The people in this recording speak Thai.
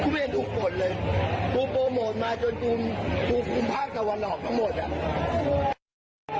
กูไม่ได้ถูกปฏิเลยกูโปรโมทมาจนกูคุมภาคสวรรค์ออกมาหมดอ่ะ